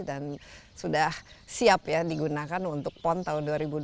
dan sudah siap ya digunakan untuk pon tahun dua ribu dua puluh